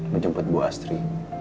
menjemput bu astri